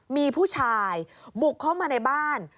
มีผู้ชายบุกเข้ามาในบ้าน